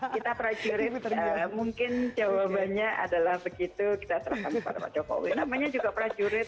kita prajurit mungkin jawabannya adalah begitu kita serahkan kepada pak jokowi namanya juga prajurit